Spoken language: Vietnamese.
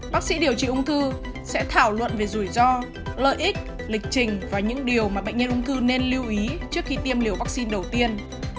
bác sĩ điều trị ung thư sẽ thảo luận về rủi ro lợi ích lịch trình và những điều mà bệnh nhân ung thư nên lưu ý trước khi tiêm liều vaccine đầu tiên